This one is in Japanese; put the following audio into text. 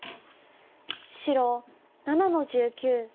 白７の十九ハネ。